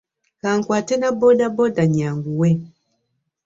Ka nkwate na boodabooda nnyanguwe.